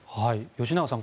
吉永さん